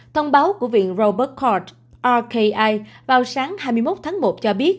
thông báo của viện robert scott rki vào sáng hai mươi một tháng một cho biết